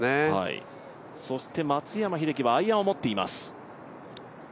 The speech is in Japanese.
そして松山英樹はアイアンを持っています。